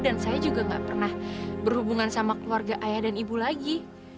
dan saya juga nggak pernah berhubungan sama keluarga ayah dan ibu lagi